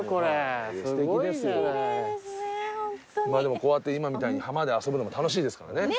こうやって今みたいに浜で遊ぶのも楽しいですからね。